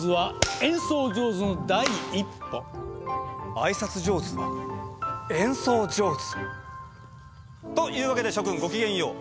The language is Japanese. あいさつ上手は演奏上手？というわけで諸君ご機嫌よう。